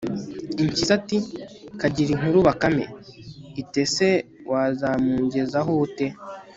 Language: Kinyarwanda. impyisi ati 'kagire inkuru bakame. iti 'ese wazamungezaho ute